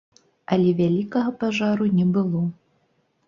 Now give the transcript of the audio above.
Але вялікага пажару не было.